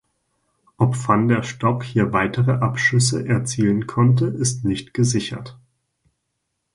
Ob van der Stok hier weitere Abschüsse erzielen konnte ist nicht gesichert.